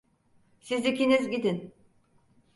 Siz ikiniz gidin.